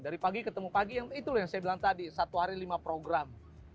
dari pagi ketemu pagi itu yang saya bilang tadi satu hari lima program